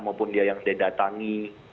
maupun dia yang dia datangi